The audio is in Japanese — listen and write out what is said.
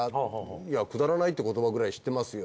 「いやくだらないって言葉くらい知ってますよ」